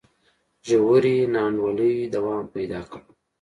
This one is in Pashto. ژورې نا انډولۍ دوام پیدا کړ.